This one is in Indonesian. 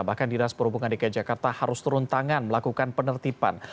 bahkan dinas perhubungan dki jakarta harus turun tangan melakukan penertiban